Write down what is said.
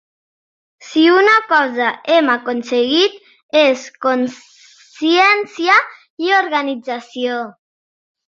Si una cosa hem aconseguit és consciència i organització.